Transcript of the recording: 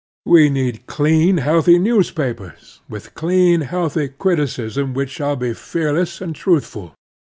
We need clean, healthy newspapers, with clean, healthy criticism which shall be fearless and truthful.